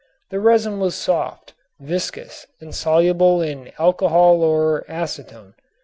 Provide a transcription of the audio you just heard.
This resin was soft, viscous and soluble in alcohol or acetone.